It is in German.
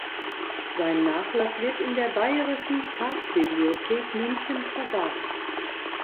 Sein Nachlass wird in der Bayerischen Staatsbibliothek München verwahrt.